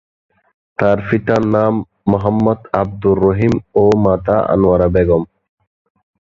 তার পিতার নাম মোহাম্মদ আব্দুর রহিম ও মাতা আনোয়ারা বেগম।